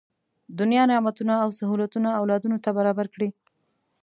دنیا نعمتونه او سهولتونه اولادونو ته برابر کړي.